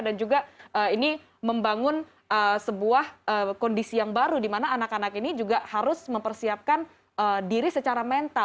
dan juga ini membangun sebuah kondisi yang baru di mana anak anak ini juga harus mempersiapkan diri secara mental